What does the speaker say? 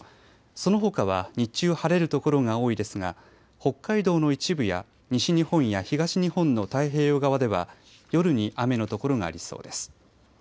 そのほかは日中晴れる所が多いですが北海道の一部や西日本や東日本の太平洋側では夜に雨の所がありそうです。